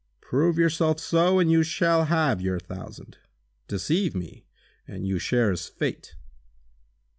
"Prove yourself so, and you shall have your thousand. Deceive me, and you share his fate!"